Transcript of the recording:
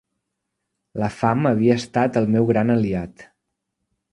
La fam havia estat el meu gran aliat.